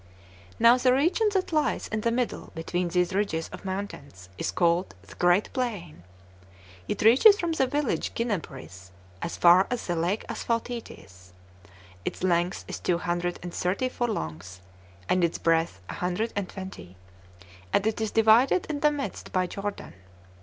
Now the region that lies in the middle between these ridges of mountains is called the Great Plain; it reaches from the village Ginnabris, as far as the lake Asphaltites; its length is two hundred and thirty furlongs, and its breadth a hundred and twenty, and it is divided in the midst by Jordan.